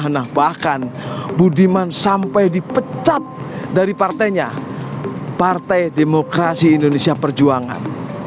nah bahkan budiman sampai dipecat dari partainya partai demokrasi indonesia perjuangan